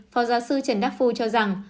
phó giáo sư trần đắc phu cho rằng